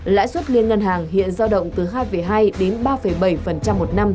lãi suất liên ngân hàng hiện giao động từ hai hai đến ba bảy một năm